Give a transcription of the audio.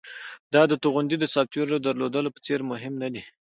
دا د توغندي د سافټویر درلودلو په څیر مهم ندی